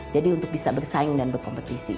jadi untuk bisa bersaing dan berkompetisi